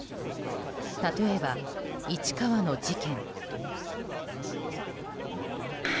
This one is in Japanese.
例えば、市川の事件。